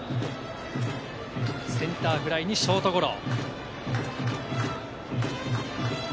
センターフライにショートゴロ。